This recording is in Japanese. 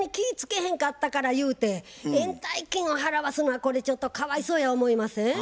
へんかったからゆうて延滞金を払わすのはこれちょっとかわいそうや思いません？